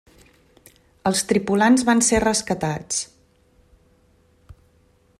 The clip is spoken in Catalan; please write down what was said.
Els tripulants van ser rescatats.